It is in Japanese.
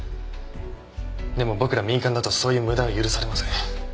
でも僕ら民間だとそういう無駄は許されません。